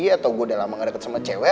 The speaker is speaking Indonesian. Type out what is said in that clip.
atau gue udah lama ngedeket sama cewek